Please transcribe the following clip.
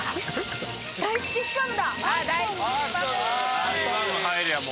大好きスパムだ。